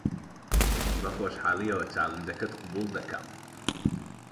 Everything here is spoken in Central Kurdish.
بەخۆشحاڵییەوە چالێنجەکەت قبوڵ دەکەم.